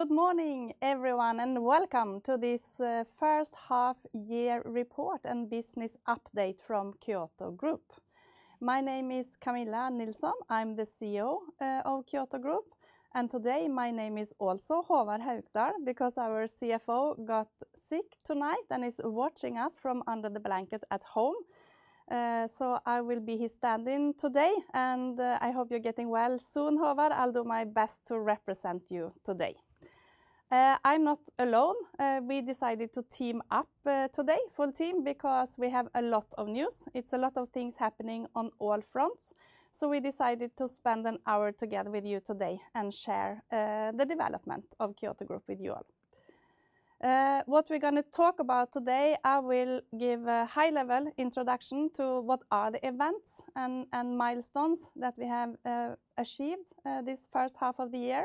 Good morning, everyone, and welcome to this First Half Year Report and Business Update from Kyoto Group. My name is Camilla Nilsson. I'm the CEO of Kyoto Group, and today my name is also Håvard Haukdal, because our CFO got sick tonight and is watching us from under the blanket at home. So I will be his stand-in today, and I hope you're getting well soon, Håvard. I'll do my best to represent you today. I'm not alone. We decided to team up today, full team, because we have a lot of news. It's a lot of things happening on all fronts, so we decided to spend an hour together with you today and share the development of Kyoto Group with you all. What we're gonna talk about today, I will give a high-level introduction to what are the events and milestones that we have achieved this first half of the year.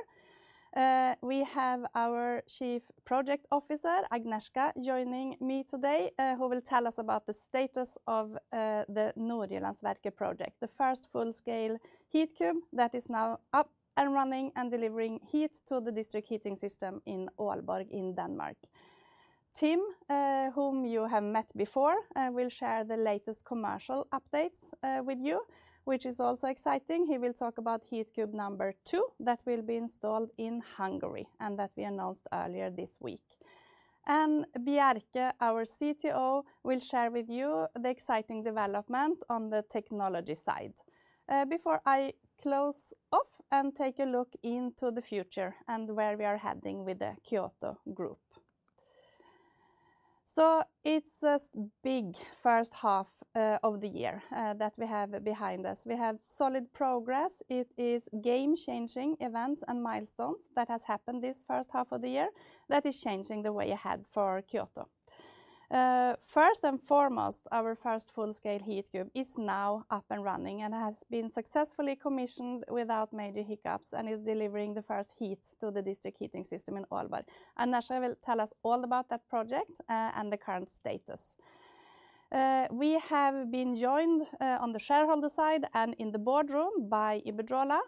We have our Chief Project Officer, Agnieszka, joining me today, who will tell us about the status of the Nordjyllandsværket project, the first full-scale Heatcube that is now up and running and delivering heat to the district heating system in Aalborg in Denmark. Tim, whom you have met before, will share the latest commercial updates with you, which is also exciting. He will talk about Heatcube number two, that will be installed in Hungary, and that we announced earlier this week. Bjarke, our CTO, will share with you the exciting development on the technology side. Before I close off and take a look into the future and where we are heading with the Kyoto Group. So it's a big first half of the year that we have behind us. We have solid progress. It is game-changing events and milestones that has happened this first half of the year that is changing the way ahead for Kyoto. First and foremost, our first full-scale Heatcube is now up and running and has been successfully commissioned without major hiccups and is delivering the first heat to the district heating system in Aalborg. Agnieszka will tell us all about that project and the current status. We have been joined on the shareholder side and in the boardroom by Iberdrola,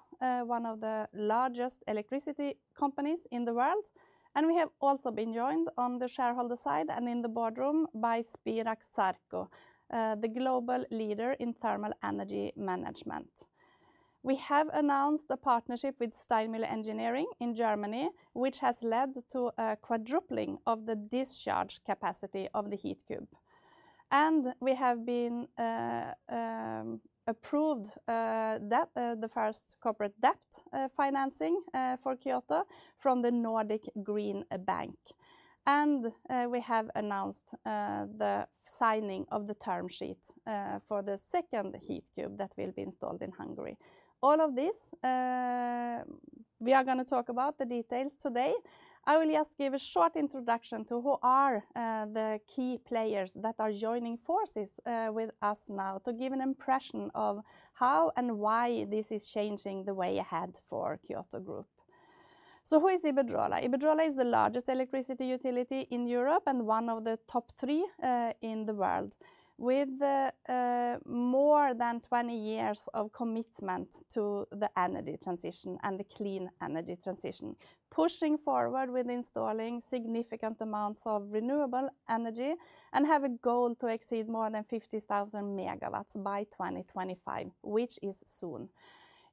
one of the largest electricity companies in the world, and we have also been joined on the shareholder side and in the boardroom by Spirax Sarco, the global leader in thermal energy management. We have announced a partnership with Steinmüller Engineering in Germany, which has led to a quadrupling of the discharge capacity of the Heatcube. We have been approved the first corporate debt financing for Kyoto from the Nordic Green Bank. We have announced the signing of the term sheet for the second Heatcube that will be installed in Hungary. All of this, we are gonna talk about the details today. I will just give a short introduction to who are, the key players that are joining forces, with us now, to give an impression of how and why this is changing the way ahead for Kyoto Group. So who is Iberdrola? Iberdrola is the largest electricity utility in Europe and one of the top three, in the world, with, more than 20 years of commitment to the energy transition and the clean energy transition, pushing forward with installing significant amounts of renewable energy and have a goal to exceed more than 50,000 MW by 2025, which is soon.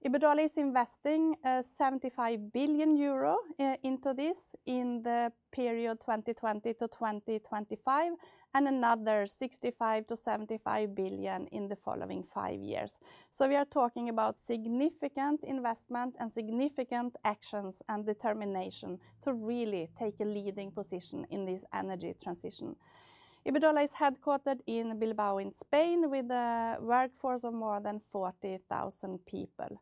Iberdrola is investing, 75 billion euro into this in the period 2020 to 2025, and another 65 billion-75 billion in the following five years. So we are talking about significant investment and significant actions and determination to really take a leading position in this energy transition. Iberdrola is headquartered in Bilbao, in Spain, with a workforce of more than 40,000 people.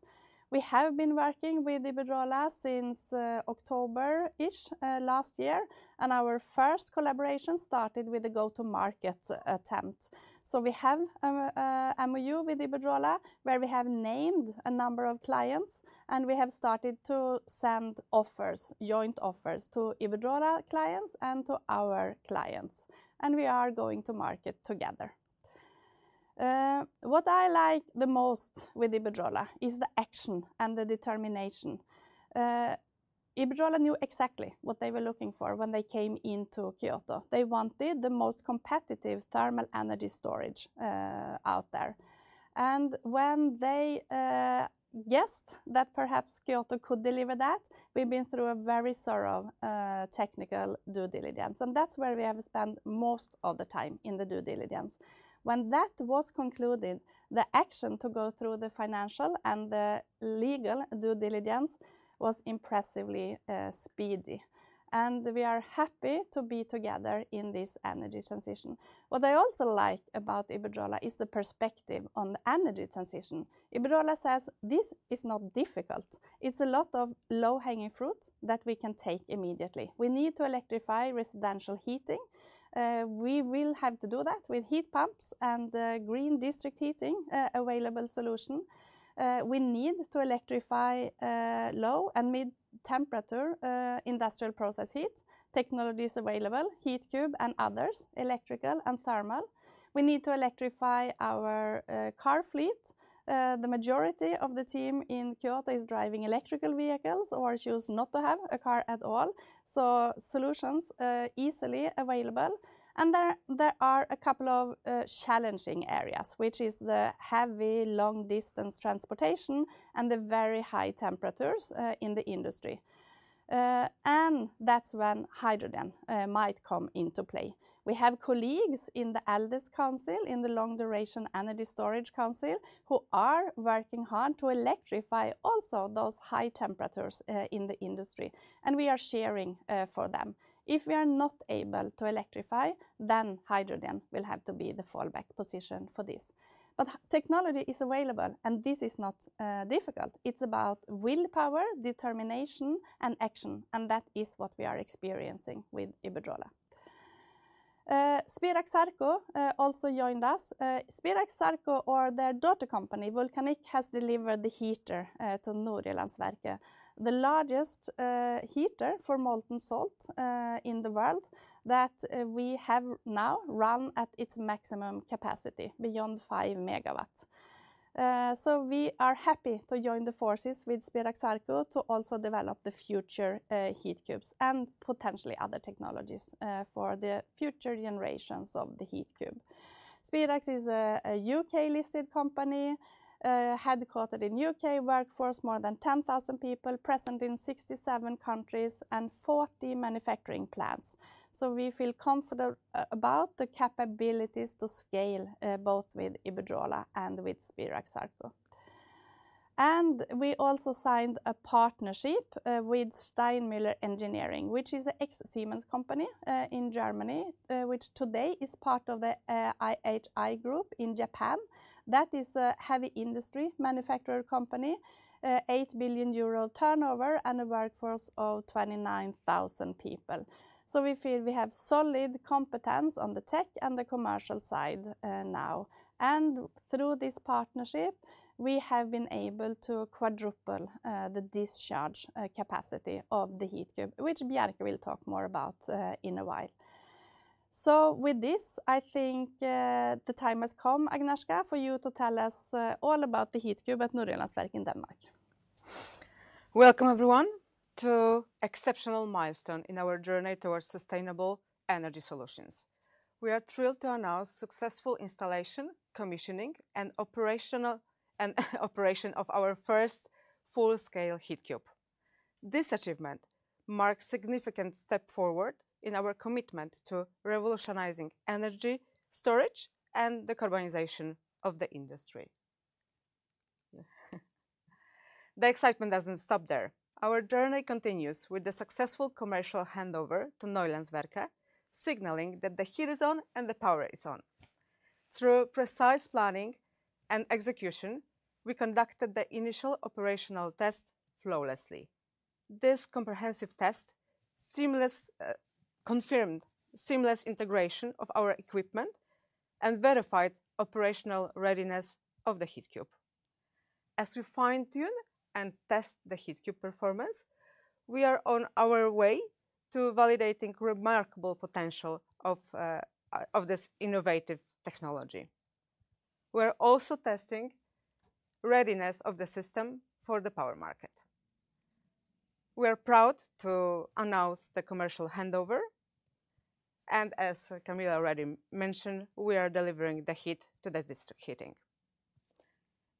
We have been working with Iberdrola since, October-ish, last year, and our first collaboration started with a go-to-market attempt. So we have a, a MOU with Iberdrola, where we have named a number of clients, and we have started to send offers, joint offers, to Iberdrola clients and to our clients, and we are going to market together. What I like the most with Iberdrola is the action and the determination. Iberdrola knew exactly what they were looking for when they came into Kyoto. They wanted the most competitive thermal energy storage, out there. When they guessed that perhaps Kyoto could deliver that, we've been through a very thorough technical due diligence, and that's where we have spent most of the time in the due diligence. When that was concluded, the action to go through the financial and the legal due diligence was impressively speedy, and we are happy to be together in this energy transition. What I also like about Iberdrola is the perspective on the energy transition. Iberdrola says this is not difficult. It's a lot of low-hanging fruit that we can take immediately. We need to electrify residential heating. We will have to do that with heat pumps and green district heating available solution. We need to electrify low and mid-temperature industrial process heat. Technology is available, Heatcube and others, electrical and thermal. We need to electrify our car fleet. The majority of the team in Gothenburg is driving electric vehicles or choose not to have a car at all. So solutions easily available. And there are a couple of challenging areas, which is the heavy long-distance transportation and the very high temperatures in the industry. And that's when hydrogen might come into play. We have colleagues in the LDES Council, in the Long Duration Energy Storage Council, who are working hard to electrify also those high temperatures in the industry, and we are sharing for them. If we are not able to electrify, then hydrogen will have to be the fallback position for this. But technology is available, and this is not difficult. It's about willpower, determination, and action, and that is what we are experiencing with Iberdrola. Spirax-Sarco also joined us. Spirax-Sarco or their daughter company, Vulcanic, has delivered the heater to Nordjyllandsværket work. The largest heater for molten salt in the world, that we have now run at its maximum capacity, beyond 5 MW. So we are happy to join the forces with Spirax-Sarco to also develop the future Heatcube and potentially other technologies for the future generations of the Heatcube. Spirax-Sarco is a U.K.-listed company, headquartered in the U.K., workforce more than 10,000 people, present in 67 countries and 40 manufacturing plants. So we feel confident about the capabilities to scale, both with Iberdrola and with Spirax-Sarco. And we also signed a partnership with Steinmüller Engineering, which is an ex-Siemens company in Germany, which today is part of the IHI Group in Japan. That is a heavy industry manufacturer company, 8 billion euro turnover, and a workforce of 29,000 people. So we feel we have solid competence on the tech and the commercial side now. And through this partnership, we have been able to quadruple the discharge capacity of the Heatcube, which Bjarke will talk more about in a while. So with this, I think the time has come, Agnieszka, for you to tell us all about the Heatcube at Nordjyllandsværket in Denmark. Welcome, everyone, to an exceptional milestone in our journey towards sustainable energy solutions. We are thrilled to announce successful installation, commissioning, and operational, and operation of our first full-scale Heatcube. This achievement marks a significant step forward in our commitment to revolutionizing energy storage and the decarbonization of the industry. The excitement doesn't stop there. Our journey continues with the successful commercial handover to Nordjyllandsværket, signaling that the heat is on and the power is on. Through precise planning and execution, we conducted the initial operational test flawlessly. This comprehensive test confirmed seamless integration of our equipment and verified operational readiness of the Heatcube. As we fine-tune and test the Heatcube performance, we are on our way to validating remarkable potential of this innovative technology. We're also testing readiness of the system for the power market. We are proud to announce the commercial handover, and as Camilla already mentioned, we are delivering the heat to the district heating.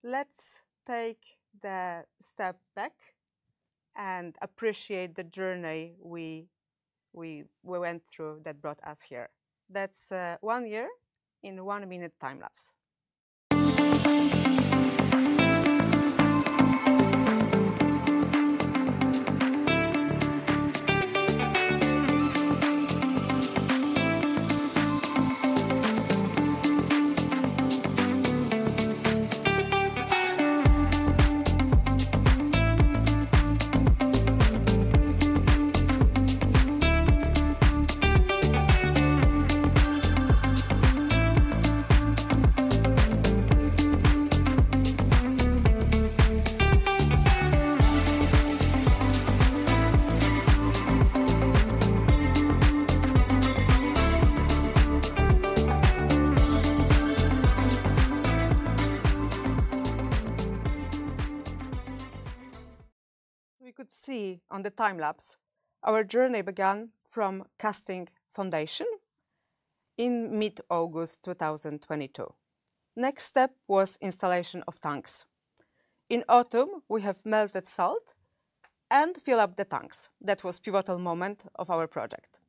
Let's take the step back and appreciate the journey we went through that brought us here. That's one year in one-minute time lapse. We could see on the time lapse, our journey began from casting foundation in mid-August 2022. Next step was installation of tanks. In autumn, we have melted salt and fill up the tanks. That was pivotal moment of our project.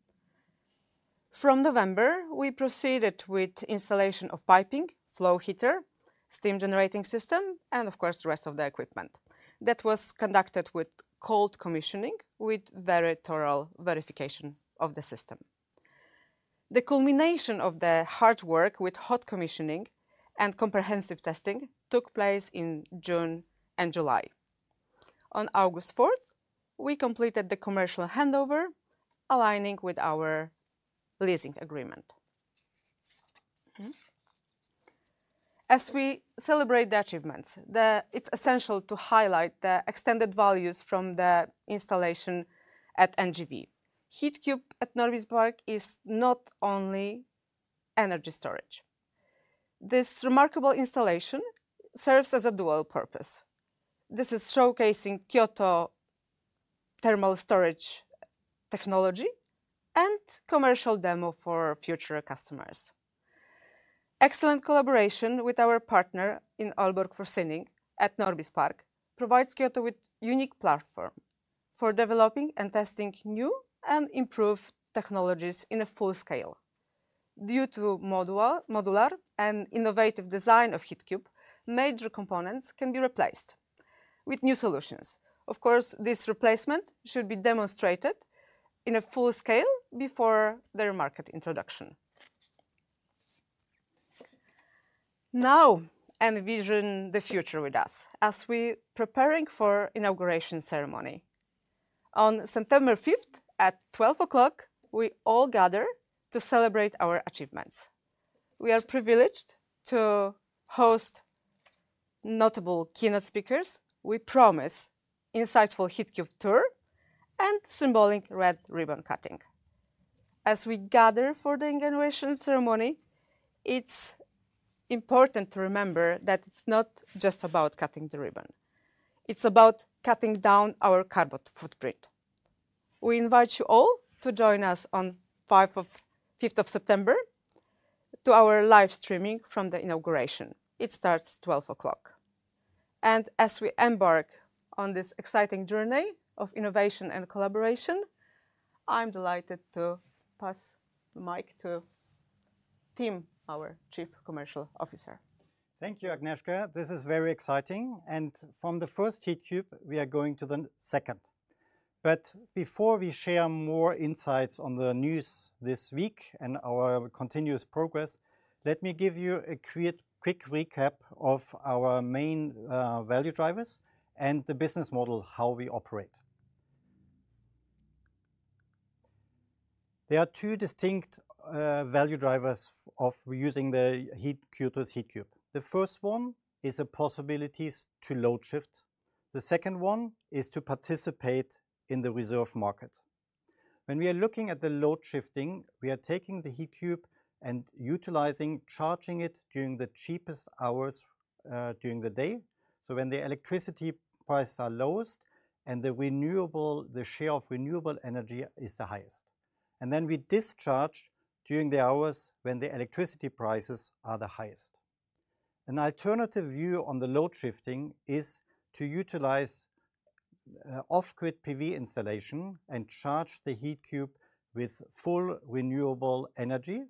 From November, we proceeded with installation of piping, flow heater, steam generating system, and of course, the rest of the equipment. That was conducted with cold commissioning, with material verification of the system. The culmination of the hard work with hot commissioning and comprehensive testing took place in June and July. On August 4th, we completed the commercial handover, aligning with our leasing agreement. Mm-hmm. As we celebrate the achievements, it's essential to highlight the extended values from the installation at Nordjyllandsværket. Heatcube at Norbis Park is not only energy storage. This remarkable installation serves as a dual purpose. This is showcasing Kyoto Thermal Storage technology and commercial demo for future customers. Excellent collaboration with our partner in Aalborg Forsyning at Norbis Park provides Kyoto with unique platform for developing and testing new and improved technologies in a full scale. Due to modular and innovative design of Heatcube, major components can be replaced with new solutions. Of course, this replacement should be demonstrated in a full scale before their market introduction. Now, envision the future with us as we preparing for inauguration ceremony. On September 5th, at 12:00, we all gather to celebrate our achievements. We are privileged to host notable keynote speakers. We promise insightful Heatcube tour and symbolic red ribbon cutting. As we gather for the inauguration ceremony, it's important to remember that it's not just about cutting the ribbon, it's about cutting down our carbon footprint. We invite you all to join us on fifth of September, to our live streaming from the inauguration. It starts 12:00 P.M. And as we embark on this exciting journey of innovation and collaboration, I'm delighted to pass the mic to Tim, our Chief Commercial Officer. Thank you, Agnieszka. This is very exciting, and from the first Heatcube, we are going to the second. But before we share more insights on the news this week and our continuous progress, let me give you a quick, quick recap of our main, value drivers and the business model, how we operate. There are two distinct, value drivers of using the Heatcube, Heatcube. The first one is the possibilities to load shift. The second one is to participate in the reserve market. When we are looking at the load shifting, we are taking the Heatcube and utilizing, charging it during the cheapest hours, during the day. So when the electricity prices are lowest and the renewable, the share of renewable energy is the highest. And then we discharge during the hours when the electricity prices are the highest. An alternative view on the load shifting is to utilize off-grid PV installation and charge the Heatcube with full renewable energy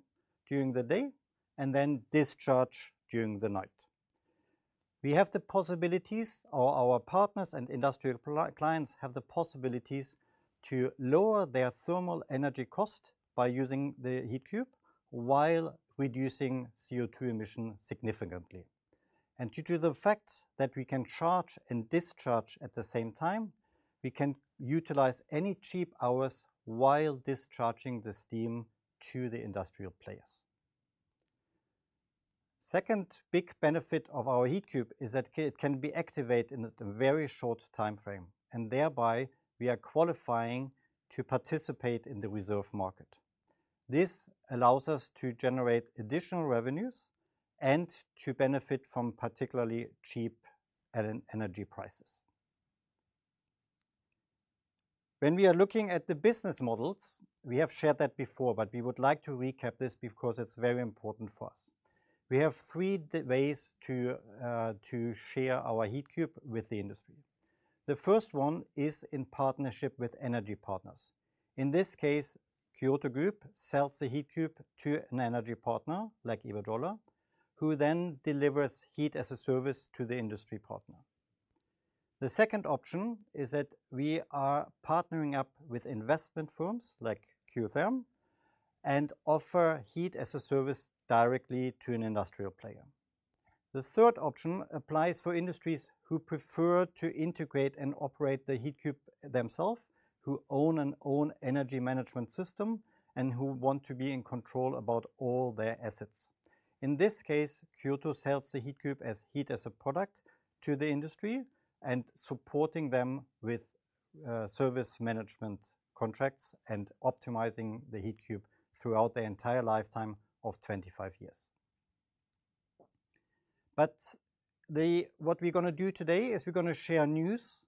during the day, and then discharge during the night. We have the possibilities, or our partners and industrial clients have the possibilities to lower their thermal energy cost by using the Heatcube while reducing CO2 emission significantly. Due to the fact that we can charge and discharge at the same time, we can utilize any cheap hours while discharging the steam to the industrial players. Second big benefit of our Heatcube is that it can be activated in a very short timeframe, and thereby we are qualifying to participate in the reserve market. This allows us to generate additional revenues and to benefit from particularly cheap energy prices. When we are looking at the business models, we have shared that before, but we would like to recap this because it's very important for us. We have three ways to share our Heatcube with the industry. The first one is in partnership with energy partners. In this case, Kyoto Group sells the Heatcube to an energy partner, like Iberdrola, who then delivers heat as a service to the industry partner. The second option is that we are partnering up with investment firms like Kyotherm, and offer heat as a service directly to an industrial player. The third option applies for industries who prefer to integrate and operate the Heatcube themselves, who own an own energy management system, and who want to be in control about all their assets. In this case, Kyoto sells the Heatcube as heat as a product to the industry and supporting them with service management contracts and optimizing the Heatcube throughout the entire lifetime of 25 years. What we're gonna do today is we're gonna share news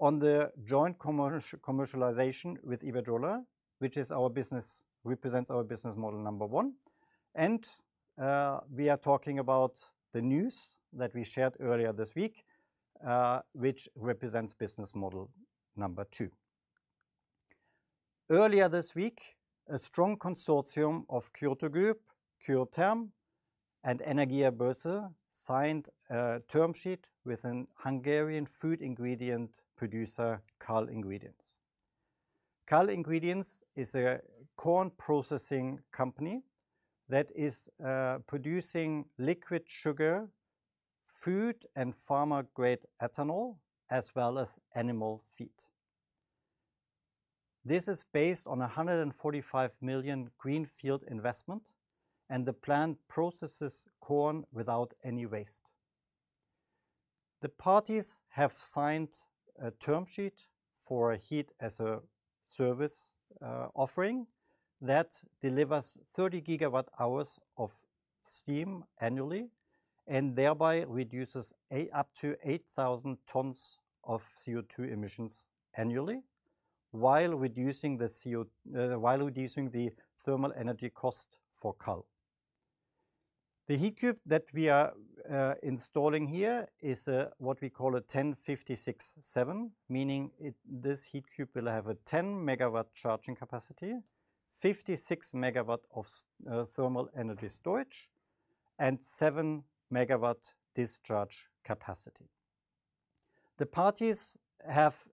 on the joint commercial commercialization with Iberdrola, which represents our business model number one. We are talking about the news that we shared earlier this week, which represents business model number two. Earlier this week, a strong consortium of Kyoto Group, Kyotherm, and Energiabörze signed a term sheet with a Hungarian food ingredient producer, KALL Ingredients. KALL Ingredients is a corn processing company that is producing liquid sugar, food, and pharma-grade ethanol, as well as animal feed. This is based on a 145 million greenfield investment, and the plant processes corn without any waste. The parties have signed a term sheet for Heat-as-a-Service offering that delivers 30 GWh of steam annually, and thereby reduces up to 8,000 tons of CO₂ emissions annually, while reducing the thermal energy cost for KALL. The Heatcube that we are installing here is what we call a 10/56/7, meaning it, this Heatcube will have a 10 MW charging capacity, 56 MW of thermal energy storage, and 7 MW discharge capacity. The parties have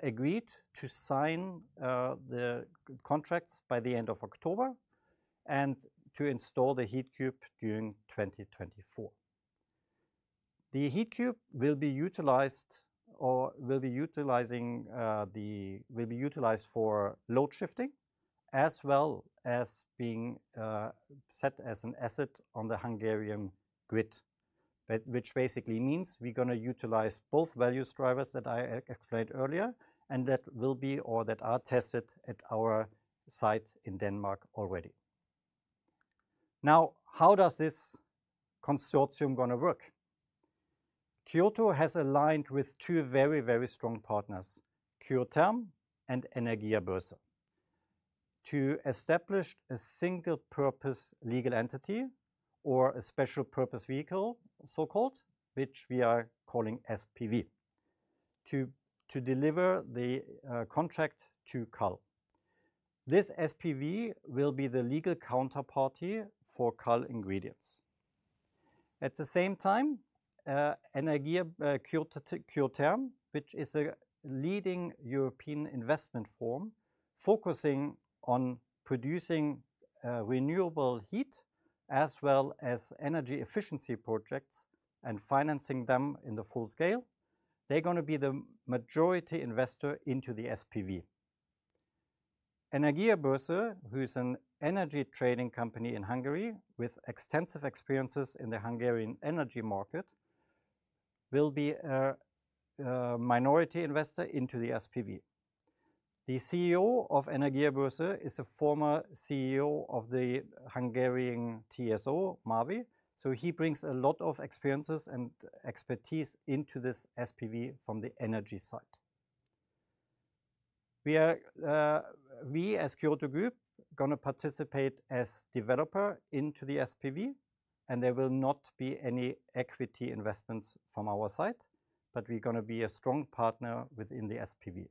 agreed to sign the contracts by the end of October, and to install the Heatcube during 2024. The Heatcube will be utilized or will be utilizing the will be utilized for load shifting, as well as being set as an asset on the Hungarian grid. But which basically means we're gonna utilize both value drivers that I explained earlier, and that will be or that are tested at our site in Denmark already. Now, how does this consortium gonna work? Kyoto has aligned with two very, very strong partners, Kyotherm and Energiabörze, to establish a single-purpose legal entity or a special purpose vehicle, so-called, which we are calling SPV, to deliver the contract to KALL. This SPV will be the legal counterparty for KALL Ingredients. At the same time, Kyotherm, which is a leading European investment firm, focusing on producing renewable heat as well as energy efficiency projects and financing them in the full scale, they're gonna be the majority investor into the SPV. Energiabörze, who is an energy trading company in Hungary with extensive experiences in the Hungarian energy market, will be a minority investor into the SPV. The CEO of Energiabörze is a former CEO of the Hungarian TSO, MAVIR, so he brings a lot of experiences and expertise into this SPV from the energy side. We are, we as Kyoto Group, gonna participate as developer into the SPV, and there will not be any equity investments from our side, but we're gonna be a strong partner within the SPV.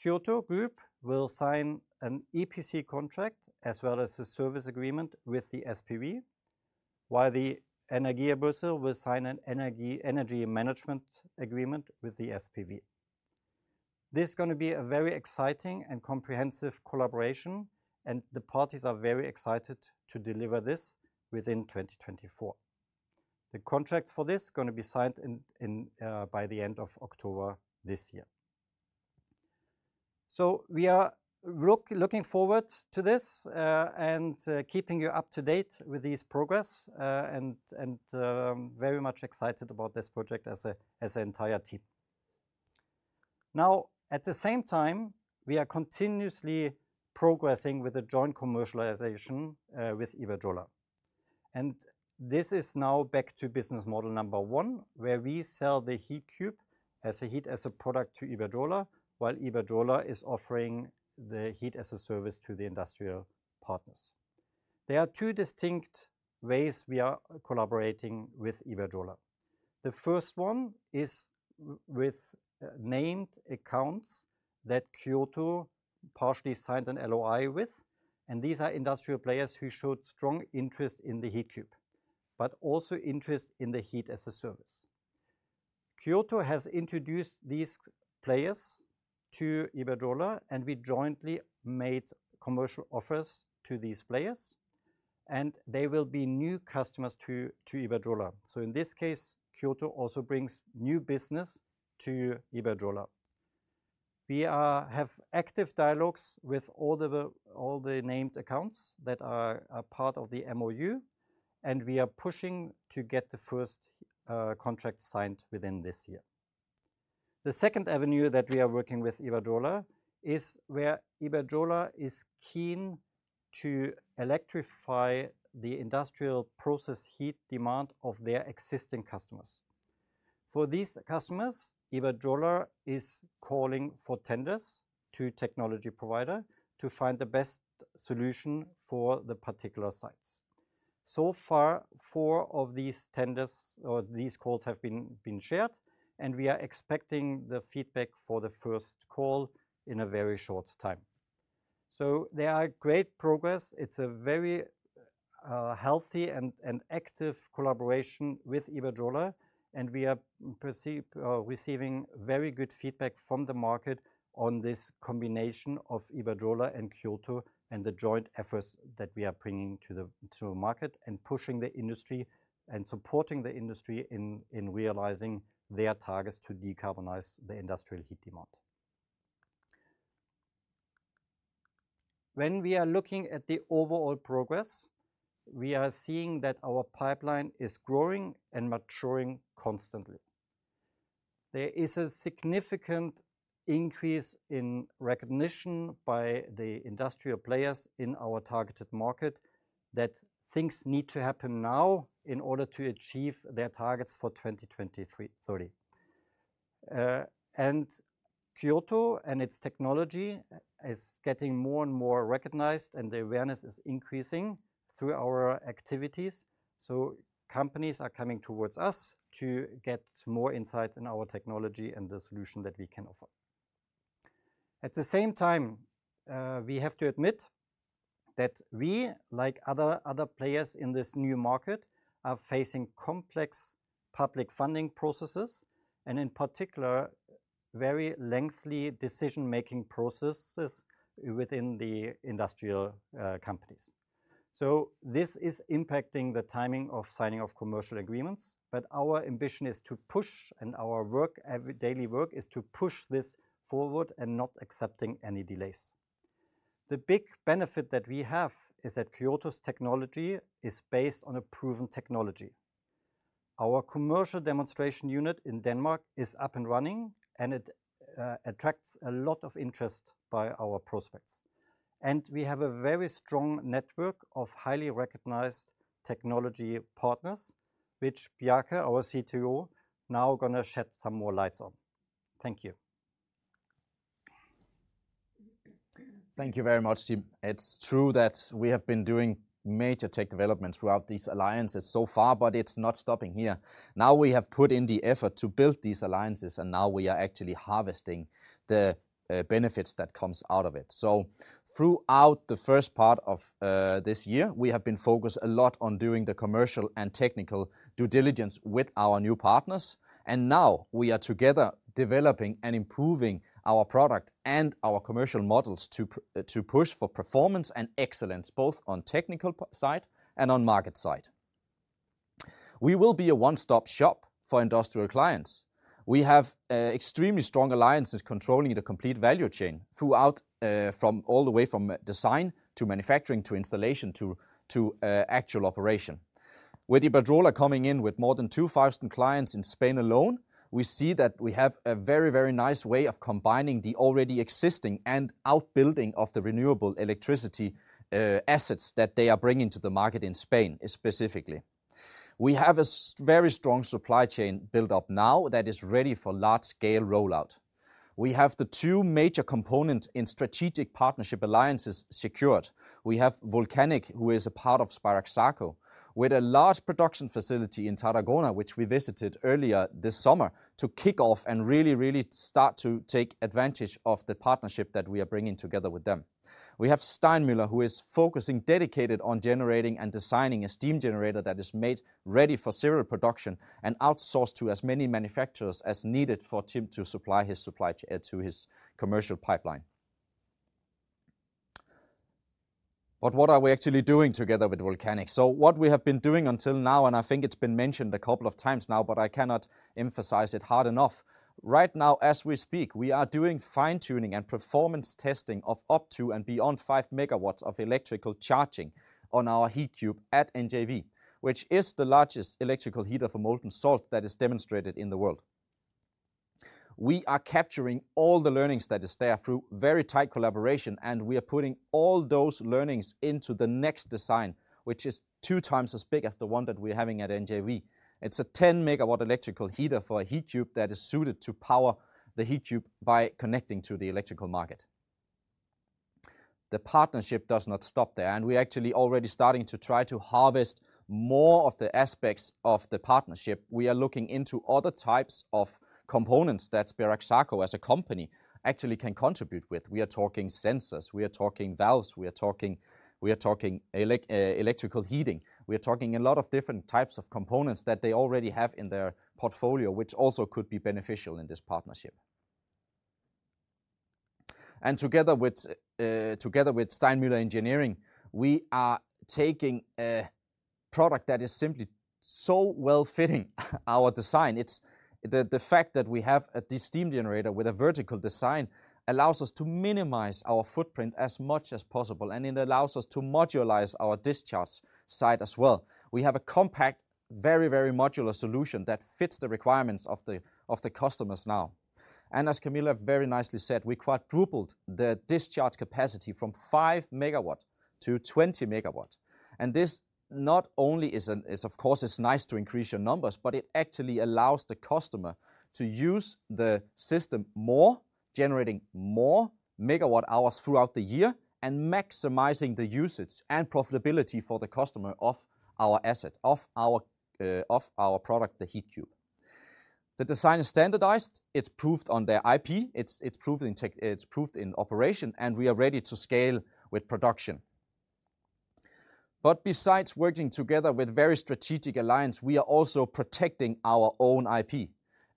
Kyoto Group will sign an EPC contract as well as a service agreement with the SPV, while the Energiabörze will sign an energy, energy management agreement with the SPV. This is gonna be a very exciting and comprehensive collaboration, and the parties are very excited to deliver this within 2024. The contracts for this are gonna be signed by the end of October this year. So we are looking forward to this, and very much excited about this project as a, as an entire team. Now, at the same time, we are continuously progressing with the joint commercialization with Iberdrola. This is now back to business model number one, where we sell the Heatcube as a heat, as a product to Iberdrola, while Iberdrola is offering the heat as a service to the industrial partners. There are two distinct ways we are collaborating with Iberdrola. The first one is with named accounts that Kyoto partially signed an LOI with, and these are industrial players who showed strong interest in the Heatcube, but also interest in the heat as a service. Kyoto has introduced these players to Iberdrola, and we jointly made commercial offers to these players, and they will be new customers to Iberdrola. So in this case, Kyoto also brings new business to Iberdrola. We have active dialogues with all the named accounts that are a part of the MOU, and we are pushing to get the first contract signed within this year. The second avenue that we are working with Iberdrola is where Iberdrola is keen to electrify the industrial process heat demand of their existing customers. For these customers, Iberdrola is calling for tenders to technology provider to find the best solution for the particular sites. So far, four of these tenders or these calls have been shared, and we are expecting the feedback for the first call in a very short time. So there are great progress. It's a very healthy and active collaboration with Iberdrola, and we are receiving very good feedback from the market on this combination of Iberdrola and Kyoto, and the joint efforts that we are bringing to the market, and pushing the industry and supporting the industry in realizing their targets to decarbonize the industrial heat demand. When we are looking at the overall progress, we are seeing that our pipeline is growing and maturing constantly. There is a significant increase in recognition by the industrial players in our targeted market, that things need to happen now in order to achieve their targets for 2023, 2030. And Kyoto and its technology is getting more and more recognized, and the awareness is increasing through our activities. So companies are coming towards us to get more insight in our technology and the solution that we can offer. At the same time, we have to admit that we, like other, other players in this new market, are facing complex public funding processes and, in particular, very lengthy decision-making processes within the industrial companies. So this is impacting the timing of signing of commercial agreements, but our ambition is to push, and our work, every daily work, is to push this forward and not accepting any delays. The big benefit that we have is that Kyoto's technology is based on a proven technology. Our commercial demonstration unit in Denmark is up and running, and it attracts a lot of interest by our prospects. And we have a very strong network of highly recognized technology partners, which Bjarke, our CTO, now gonna shed some more lights on. Thank you. Thank you very much, Tim. It's true that we have been doing major tech development throughout these alliances so far, but it's not stopping here. Now, we have put in the effort to build these alliances, and now we are actually harvesting the benefits that comes out of it. So throughout the first part of this year, we have been focused a lot on doing the commercial and technical due diligence with our new partners. And now we are together developing and improving our product and our commercial models to push for performance and excellence, both on technical side and on market side. We will be a one-stop shop for industrial clients. We have extremely strong alliances controlling the complete value chain throughout, from all the way from design to manufacturing, to installation to actual operation. With Iberdrola coming in with more than 2,000 clients in Spain alone, we see that we have a very, very nice way of combining the already existing and outbuilding of the renewable electricity, assets that they are bringing to the market in Spain, specifically. We have a very strong supply chain built up now that is ready for large-scale rollout. We have the two major components in strategic partnership alliances secured. We have Vulcanic, who is a part of Spirax Sarco, with a large production facility in Tarragona, which we visited earlier this summer to kick off and really, really start to take advantage of the partnership that we are bringing together with them. We have Steinmüller, who is focusing dedicated on generating and designing a steam generator that is made ready for serial production and outsourced to as many manufacturers as needed for Tim to supply his supply to his commercial pipeline. But what are we actually doing together with Vulcanic? So what we have been doing until now, and I think it's been mentioned a couple of times now, but I cannot emphasize it hard enough. Right now, as we speak, we are doing fine-tuning and performance testing of up to and beyond 5 MW of electrical charging on our Heatcube at NJV, which is the largest electrical heater for molten salt that is demonstrated in the world. We are capturing all the learnings that is there through very tight collaboration, and we are putting all those learnings into the next design, which is two times as big as the one that we're having at NJV. It's a 10 MW electrical heater for a Heatcube that is suited to power the Heatcube by connecting to the electrical market. The partnership does not stop there, and we're actually already starting to try to harvest more of the aspects of the partnership. We are looking into other types of components that Spirax Sarco, as a company, actually can contribute with. We are talking sensors, we are talking valves, we are talking electrical heating. We are talking a lot of different types of components that they already have in their portfolio, which also could be beneficial in this partnership. Together with Steinmüller Engineering, we are taking a product that is simply so well-fitting our design. It's the fact that we have this steam generator with a vertical design allows us to minimize our footprint as much as possible, and it allows us to modularize our discharge site as well. We have a compact, very, very modular solution that fits the requirements of the customers now. And as Camilla very nicely said, we quadrupled the discharge capacity from 5 MW to 20 MW. And this not only is, of course, it's nice to increase your numbers, but it actually allows the customer to use the system more, generating more MWh throughout the year, and maximizing the usage and profitability for the customer of our asset, of our product, the Heatcube. The design is standardized, it's proved on their IP, it's proved in tech—it's proved in operation, and we are ready to scale with production. But besides working together with very strategic alliance, we are also protecting our own IP.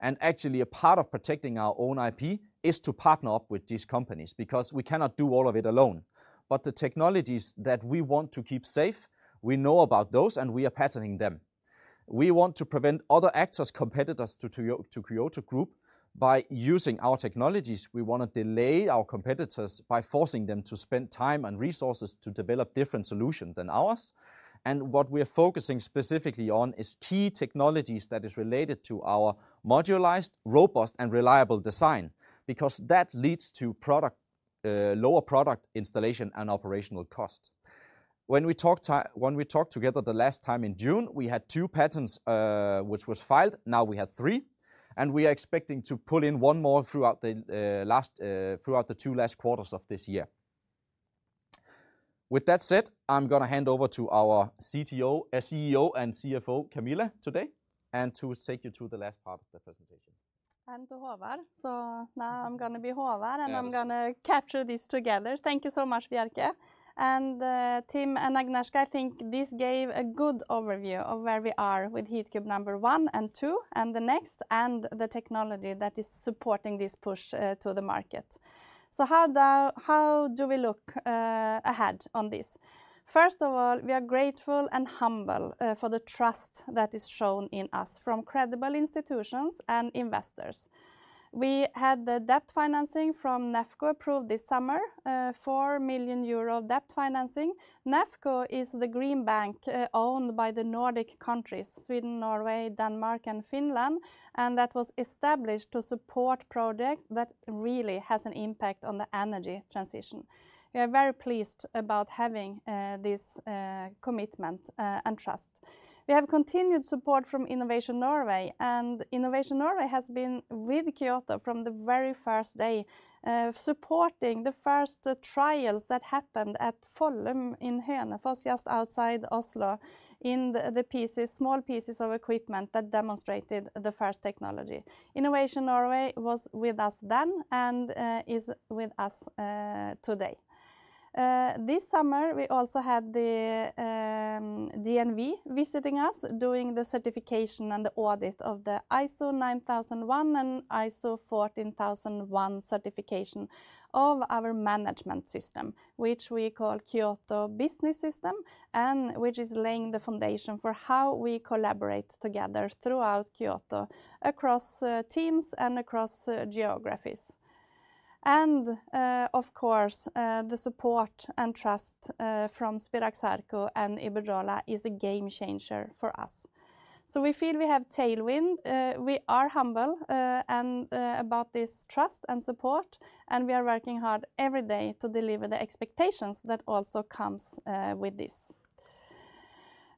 And actually, a part of protecting our own IP is to partner up with these companies, because we cannot do all of it alone. But the technologies that we want to keep safe, we know about those, and we are patenting them. We want to prevent other actors, competitors, to Kyoto Group. By using our technologies, we wanna delay our competitors by forcing them to spend time and resources to develop different solution than ours. And what we are focusing specifically on is key technologies that is related to our modularized, robust, and reliable design, because that leads to product, lower product installation and operational costs. When we talked together the last time in June, we had two patents which was filed, now we have three, and we are expecting to pull in one more throughout the two last quarters of this year. With that said, I'm gonna hand over to our CTO, CEO, and CFO, Camilla, today, and to take you through the last part of the presentation. To Håvard. Now I'm gonna be Håvard- Yes And I'm gonna capture this together. Thank you so much, Bjarke. And, Tim and Agnieszka, I think this gave a good overview of where we are with Heatcube number one and two, and the next, and the technology that is supporting this push, to the market. So how the, how do we look, ahead on this? First of all, we are grateful and humble, for the trust that is shown in us from credible institutions and investors. We had the debt financing from Nefco approved this summer, 4 million euro debt financing. Nefco is the green bank, owned by the Nordic countries, Sweden, Norway, Denmark, and Finland, and that was established to support projects that really has an impact on the energy transition. We are very pleased about having, this, commitment, and trust. We have continued support from Innovation Norway, and Innovation Norway has been with Kyoto from the very first day, supporting the first trials that happened at Follum in Hønefoss, just outside Oslo, in the small pieces of equipment that demonstrated the first technology. Innovation Norway was with us then and is with us today. This summer, we also had the DNV visiting us, doing the certification and the audit of the ISO 9001 and ISO 14001 certification of our management system, which we call Kyoto Business System, and which is laying the foundation for how we collaborate together throughout Kyoto, across teams and across geographies. And of course, the support and trust from Spirax Sarco and Iberdrola is a game changer for us. So we feel we have tailwind. We are humble and about this trust and support, and we are working hard every day to deliver the expectations that also comes with this.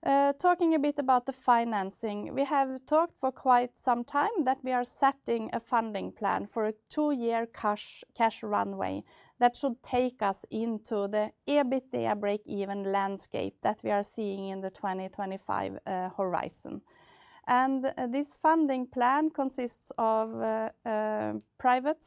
Talking a bit about the financing. We have talked for quite some time that we are setting a funding plan for a two-year cash, cash runway that should take us into the EBITDA breakeven landscape that we are seeing in the 2025 horizon. This funding plan consists of private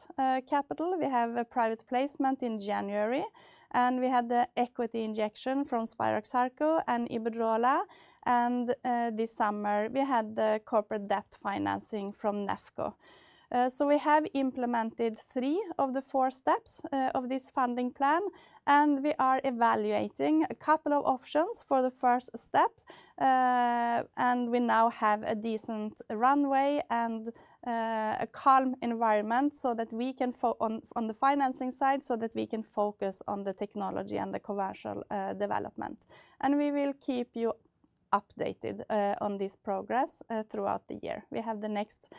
capital. We have a private placement in January, and we had the equity injection from Spirax Sarco and Iberdrola, and this summer we had the corporate debt financing from Nefco. So we have implemented three of the four steps of this funding plan, and we are evaluating a couple of options for the first step. And we now have a decent runway and a calm environment so that we can focus on the financing side, so that we can focus on the technology and the commercial development. And we will keep you updated on this progress throughout the year. We have the next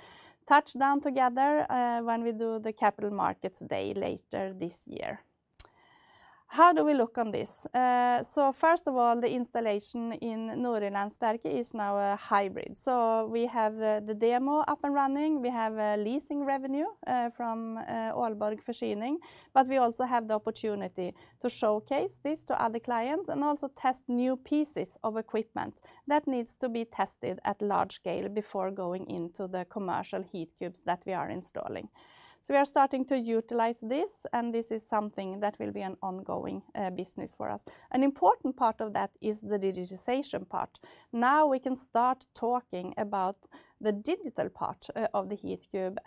touchdown together when we do the Capital Markets Day later this year. How do we look on this? So first of all, the installation in Nordjyllandsværket is now a hybrid. So we have the demo up and running, we have a leasing revenue from Aalborg Forsyning, but we also have the opportunity to showcase this to other clients and also test new pieces of equipment that needs to be tested at large scale before going into the commercial Heatcubes that we are installing. We are starting to utilize this, and this is something that will be an ongoing business for us. An important part of that is the digitization part. Now, we can start talking about the digital part of the Heatcube.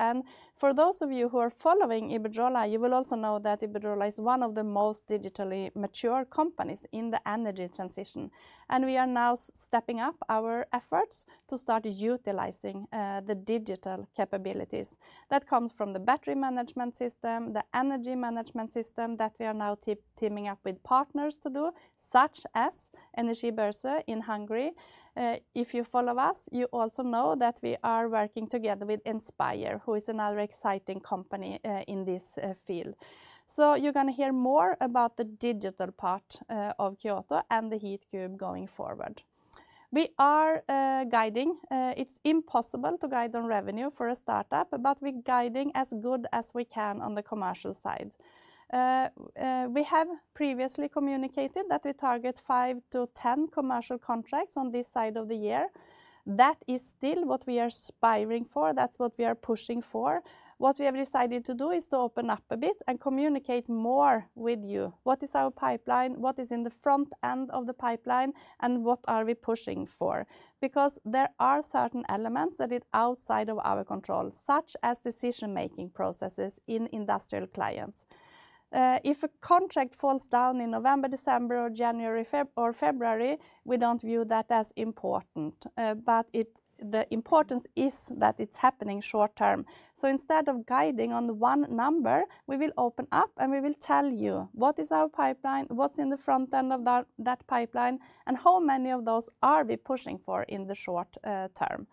For those of you who are following Iberdrola, you will also know that Iberdrola is one of the most digitally mature companies in the energy transition, and we are now stepping up our efforts to start utilizing the digital capabilities that come from the battery management system, the energy management system that we are now teaming up with partners to do, such as Energiabörze in Hungary. If you follow us, you also know that we are working together with Enspire, who is another exciting company in this field. So you're gonna hear more about the digital part of Kyoto and the Heatcube going forward. We are guiding. It's impossible to guide on revenue for a start-up, but we're guiding as good as we can on the commercial side. We have previously communicated that we target five to 10 commercial contracts on this side of the year. That is still what we are aspiring for, that's what we are pushing for. What we have decided to do is to open up a bit and communicate more with you. What is our pipeline? What is in the front end of the pipeline, and what are we pushing for? Because there are certain elements that is outside of our control, such as decision-making processes in industrial clients. If a contract falls down in November, December or January, February, or February, we don't view that as important, but it. The importance is that it's happening short term. So instead of guiding on the one number, we will open up, and we will tell you, what is our pipeline, what's in the front end of that, that pipeline, and how many of those are we pushing for in the short term?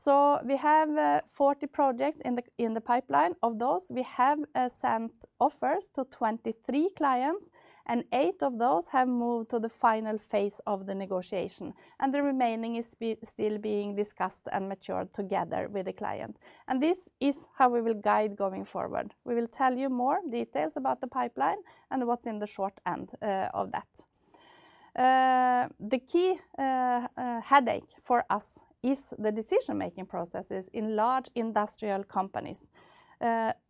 So we have 40 projects in the pipeline. Of those, we have sent offers to 23 clients, and eight of those have moved to the final phase of the negotiation, and the remaining is still being discussed and matured together with the client. And this is how we will guide going forward. We will tell you more details about the pipeline and what's in the short end of that. The key headache for us is the decision-making processes in large industrial companies.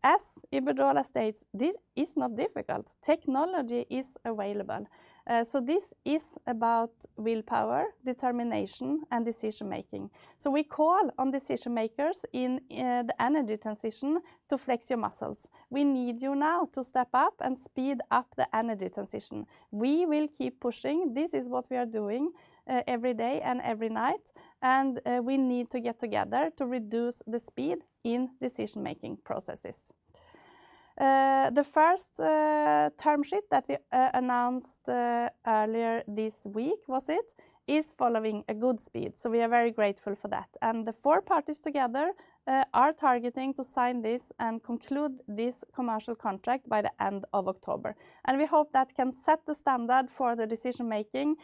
As Iberdrola states, this is not difficult. Technology is available, so this is about willpower, determination, and decision making. We call on decision makers in the energy transition to flex your muscles. We need you now to step up and speed up the energy transition. We will keep pushing. This is what we are doing every day and every night, and we need to get together to reduce the speed in decision-making processes. The first term sheet that we announced earlier this week, was it? It is following a good speed, so we are very grateful for that. The four parties together are targeting to sign this and conclude this commercial contract by the end of October, and we hope that can set the standard for the decision making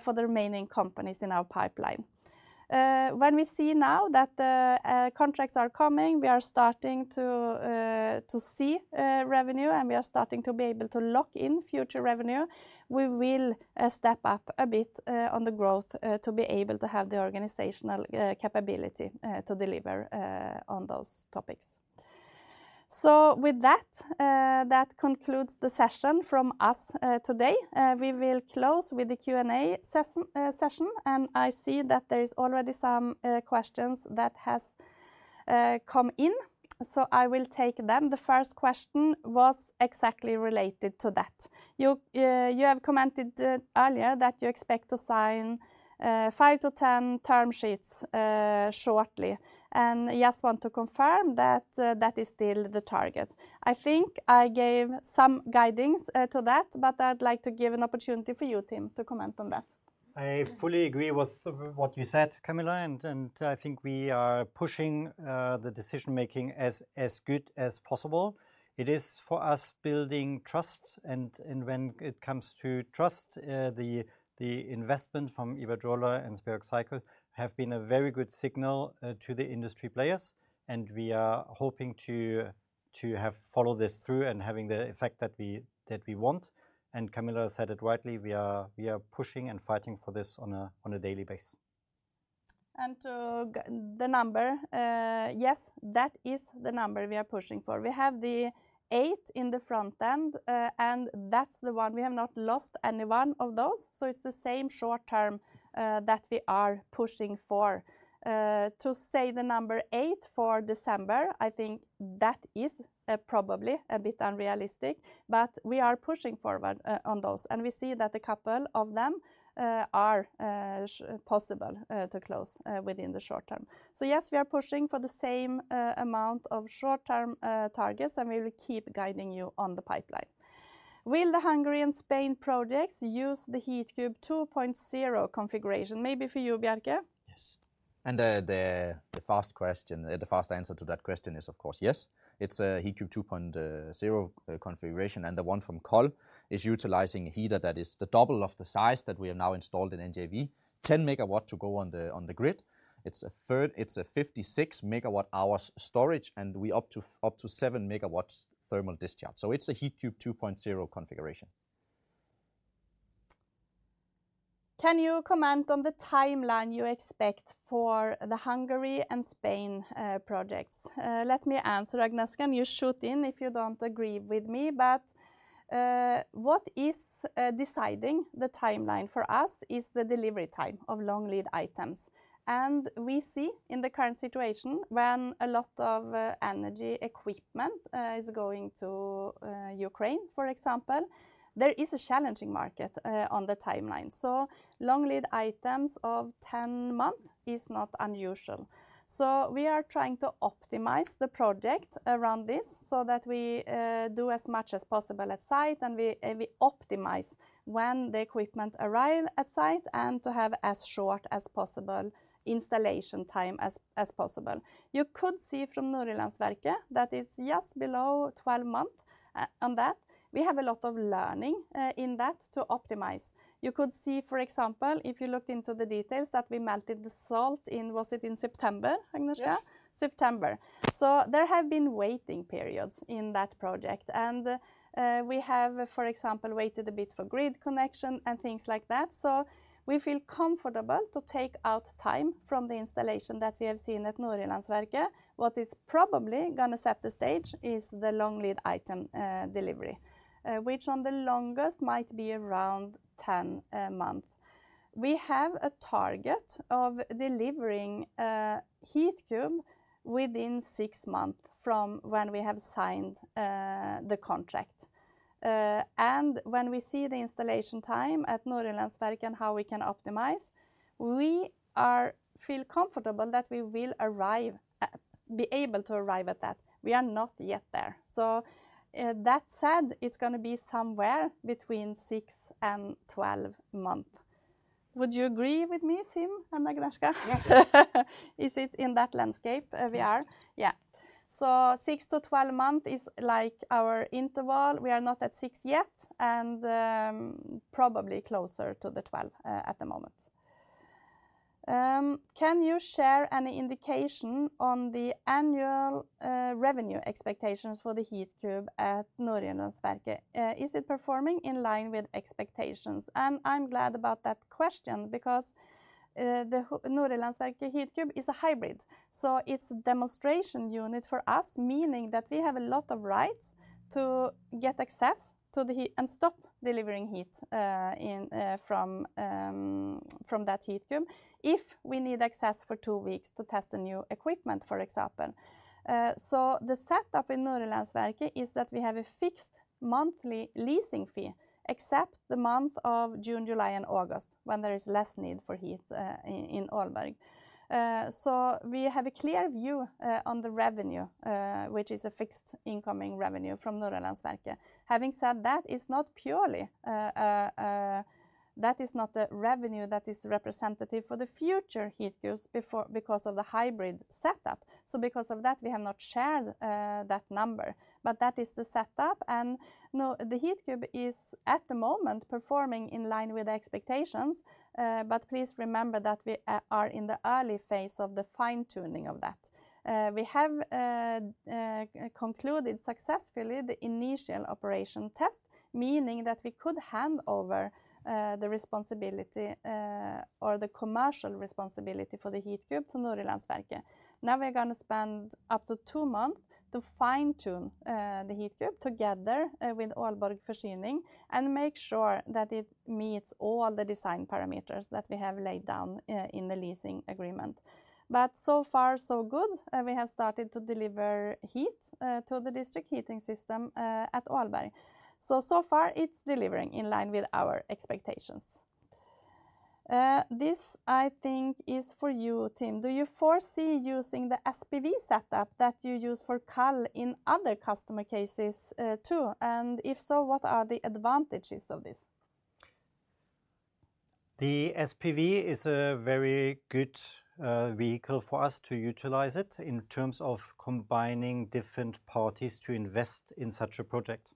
for the remaining companies in our pipeline. When we see now that contracts are coming, we are starting to see revenue, and we are starting to be able to lock in future revenue. We will step up a bit on the growth to be able to have the organizational capability to deliver on those topics. So with that that concludes the session from us today. We will close with the Q&A session, and I see that there is already some questions that has come in, so I will take them. The first question was exactly related to that. "You, you have commented, earlier that you expect to sign, five to 10 term sheets, shortly, and just want to confirm that, that is still the target." I think I gave some guiding, to that, but I'd like to give an opportunity for you, Tim, to comment on that. I fully agree with what you said, Camilla, and I think we are pushing the decision making as good as possible. It is, for us, building trust, and when it comes to trust, the investment from Iberdrola and Spirax have been a very good signal to the industry players, and we are hoping to have followed this through and having the effect that we want. And Camilla said it rightly, we are pushing and fighting for this on a daily basis. And to the number, yes, that is the number we are pushing for. We have the eight in the front end, and that's the one. We have not lost any one of those, so it's the same short term that we are pushing for. To say the number eight for December, I think that is probably a bit unrealistic, but we are pushing forward on those, and we see that a couple of them are possible to close within the short term. So yes, we are pushing for the same amount of short-term targets, and we will keep guiding you on the pipeline. "Will the Hungary and Spain projects use the Heatcube 2.0 configuration?" Maybe for you, Bjarke? Yes, and the first question, the first answer to that question is, of course, yes. It's a Heatcube 2.0 configuration, and the one from KALL is utilizing a heater that is the double of the size that we have now installed in NJV. 10 MW to go on the grid. It's a 56 MWh storage, and we up to 7 MW thermal discharge, so it's a Heatcube 2.0 configuration. Can you comment on the timeline you expect for the Hungary and Spain projects?" Let me answer, Agnieszka, and you shoot in if you don't agree with me, but what is deciding the timeline for us is the delivery time of long lead items. We see in the current situation, when a lot of energy equipment is going to Ukraine, for example, there is a challenging market on the timeline, so long lead items of 10 months is not unusual. We are trying to optimize the project around this so that we do as much as possible at site, and we optimize when the equipment arrive at site and to have as short as possible installation time as possible. You could see from Nordjyllandsværket that it's just below 12 months on that. We have a lot of learning in that to optimize. You could see, for example, if you looked into the details, that we melted the salt in was it in September, Agnieszka? Yes. September. So there have been waiting periods in that project, and we have, for example, waited a bit for grid connection and things like that. So we feel comfortable to take out time from the installation that we have seen at Nordjyllandsværket. What is probably gonna set the stage is the long lead item delivery, which on the longest might be around 10 months. We have a target of delivering a Heatcube within six months from when we have signed the contract, and when we see the installation time at Nordjyllandsværket and how we can optimize, we feel comfortable that we will arrive be able to arrive at that. We are not yet there. So that said, it's gonna be somewhere between six and 12 months. Would you agree with me, Tim and Agnieszka? Yes. Is it in that landscape, we are? Yes. Yeah. So six to 12 months is, like, our interval. We are not at six yet, and, probably closer to the 12, at the moment. Can you share any indication on the annual, revenue expectations for the Heatcube at Nordjyllandsværket? Is it performing in line with expectations? And I'm glad about that question because, the Nordjyllandsværket Heatcube is a hybrid, so it's a demonstration unit for us, meaning that we have a lot of rights to get access to the heat and stop delivering heat, in, from, from that heatcube, if we need access for two weeks to test the new equipment, for example. So the setup in Nordjyllandsværket is that we have a fixed monthly leasing fee, except the month of June, July, and August, when there is less need for heat in Aalborg. So we have a clear view on the revenue, which is a fixed incoming revenue from Nordjyllandsværket. Having said that, it's not purely... That is not the revenue that is representative for the future Heatcubes because of the hybrid setup. So because of that, we have not shared that number, but that is the setup. And no, the Heatcube is, at the moment, performing in line with the expectations, but please remember that we are in the early phase of the fine-tuning of that. We have concluded successfully the initial operation test, meaning that we could hand over the responsibility or the commercial responsibility for the Heatcube to Nordjyllandsværket. Now we're gonna spend up to two months to fine-tune the Heatcube together with Aalborg Forsyning and make sure that it meets all the design parameters that we have laid down in the leasing agreement. But so far, so good. We have started to deliver heat to the district heating system at Aalborg. So, so far, it's delivering in line with our expectations. This, I think, is for you, Tim. Do you foresee using the SPV setup that you use for KALL in other customer cases too? And if so, what are the advantages of this? The SPV is a very good vehicle for us to utilize it in terms of combining different parties to invest in such a project.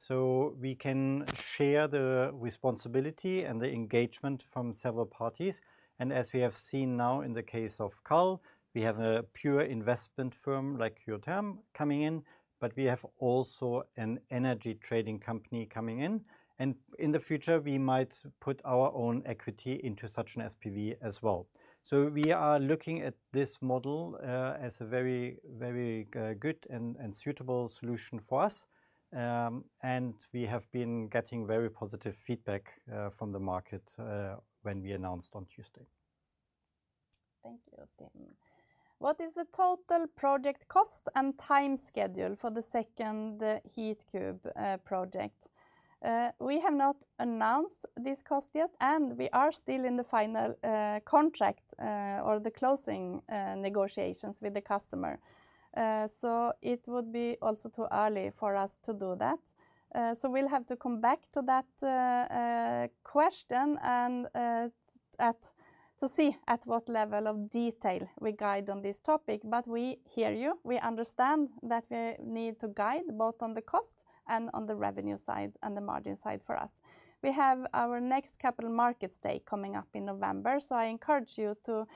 So we can share the responsibility and the engagement from several parties, and as we have seen now in the case of KALL, we have a pure investment firm like Kyotherm coming in, but we have also an energy trading company coming in. And in the future, we might put our own equity into such an SPV as well. So we are looking at this model as a very, very good and suitable solution for us. And we have been getting very positive feedback from the market when we announced on Tuesday. Thank you, Tim. What is the total project cost and time schedule for the second Heatcube project? We have not announced this cost yet, and we are still in the final contract or the closing negotiations with the customer. So it would be also too early for us to do that. So we'll have to come back to that question and to see at what level of detail we guide on this topic. But we hear you. We understand that we need to guide both on the cost and on the revenue side and the margin side for us. We have our next Capital Markets Day coming up in November, so I encourage you to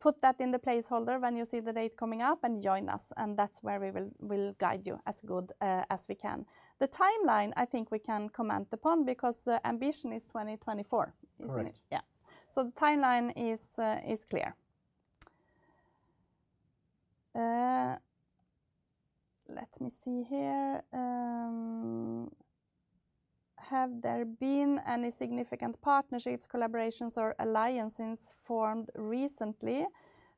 put that in the placeholder when you see the date coming up, and join us, and that's where we will, we'll guide you as good as we can. The timeline, I think we can comment upon because the ambition is 2024, isn't it? Correct. Yeah. So the timeline is, is clear. Let me see here. Have there been any significant partnerships, collaborations, or alliances formed recently?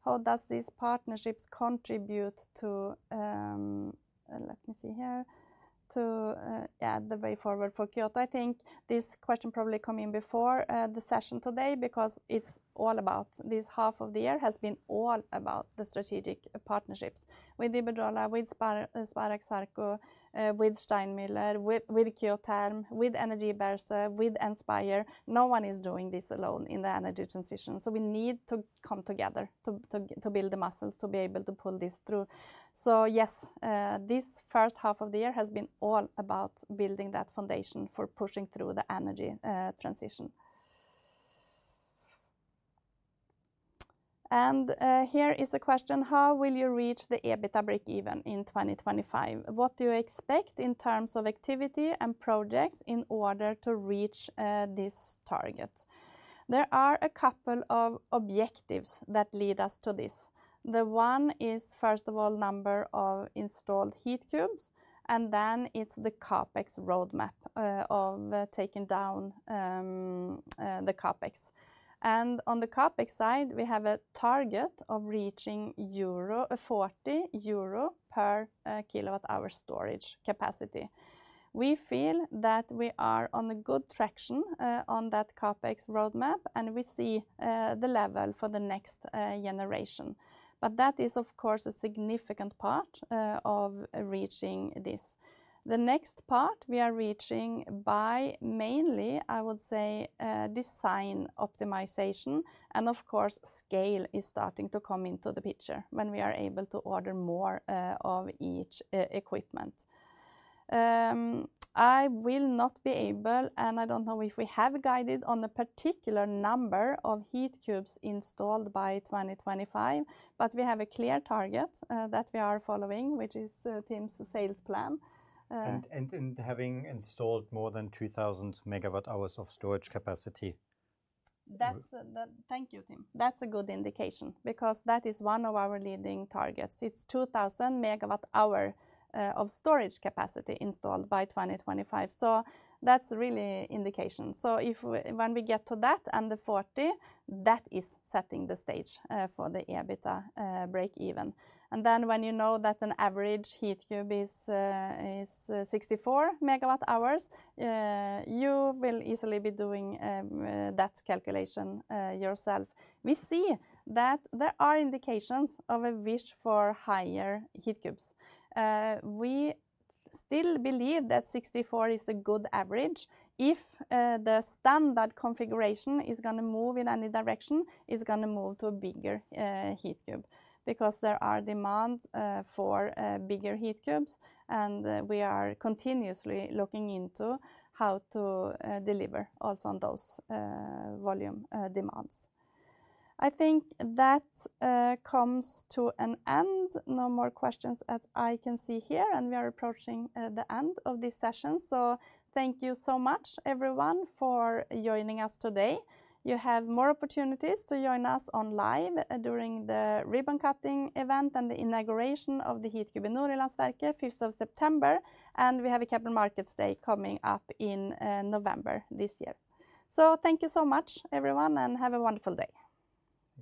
How does these partnerships contribute to, yeah, the way forward for Kyoto? I think this question probably come in before, the session today, because it's all about, this half of the year has been all about the strategic partnerships with Iberdrola, with Spirax Sarco, with Steinmüller, with Kyotherm, with Energiabörze, with Inspire. No one is doing this alone in the energy transition, so we need to come together to build the muscles to be able to pull this through. So yes, this first half of the year has been all about building that foundation for pushing through the energy transition. Here is a question: How will you reach the EBITDA breakeven in 2025? What do you expect in terms of activity and projects in order to reach this target? There are a couple of objectives that lead us to this. The one is, first of all, number of installed Heatcubes, and then it's the CapEx roadmap of taking down the CapEx. On the CapEx side, we have a target of reaching 40 euro per kWh storage capacity. We feel that we are on a good traction on that CapEx roadmap, and we see the level for the next generation. That is, of course, a significant part of reaching this. The next part we are reaching by mainly, I would say, design optimization, and of course, scale is starting to come into the picture when we are able to order more, of each equipment. I will not be able, and I don't know if we have guided on the particular number of Heatcubes installed by 2025, but we have a clear target, that we are following, which is, Tim's sales plan. Having installed more than 2000 MWh of storage capacity. That's... Thank you, Tim. That's a good indication because that is one of our leading targets. It's 2,000 MWh of storage capacity installed by 2025, so that's really indication. So if we, when we get to that and the 40, that is setting the stage for the EBITDA breakeven. And then when you know that an average Heatcube is 64 MWh, you will easily be doing that calculation yourself. We see that there are indications of a wish for higher Heatcubes. We still believe that 64 is a good average. If the standard configuration is gonna move in any direction, it's gonna move to a bigger Heatcube, because there are demand for bigger Heatcubes, and we are continuously looking into how to deliver also on those volume demands. I think that comes to an end. No more questions that I can see here, and we are approaching the end of this session. So thank you so much, everyone, for joining us today. You have more opportunities to join us on live during the ribbon-cutting event and the inauguration of the Heatcube in Nordjyllandsværket, fifth of September, and we have a Capital Markets Day coming up in November this year. So thank you so much, everyone, and have a wonderful day!